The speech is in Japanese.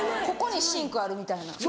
ここにシンクあるみたいな。